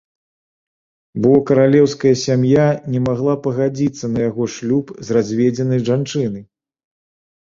Бо каралеўская сям'я не магла пагадзіцца на яго шлюб з разведзенай жанчынай.